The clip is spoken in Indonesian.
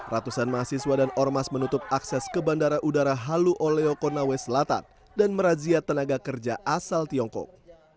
ratusan mahasiswa dan ormas menutup akses ke bandara udara halu oleo konawe selatan dan merazia tenaga kerja asal tiongkok